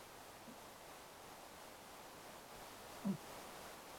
دوی چې به هر قدم پر ځمکه اېښود ګرد نور زیاتېده.